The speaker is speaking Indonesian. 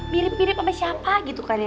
mirip mirip sama siapa gitu kan ya